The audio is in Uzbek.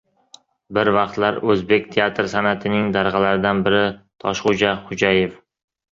Bir vaqtlar o‘zbek teatr san’atining darg‘alaridan biri Toshxo‘ja Xo‘jayev